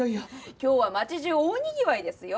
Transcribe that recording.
今日は街じゅう大にぎわいですよ。